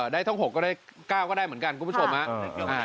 ได้ทั้ง๖ก็ได้๙ก็ได้เหมือนกันคุณผู้ชมฮะ